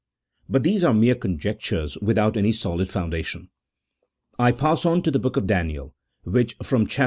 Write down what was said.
But these are mere conjectures without any solid foun dation. I pass on to the hook of Daniel, which, from chap.